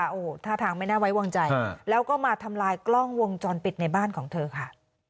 โอ้โหท่าทางไม่น่าไว้วางใจแล้วก็มาทำลายกล้องวงจรปิดในบ้านของเธอค่ะ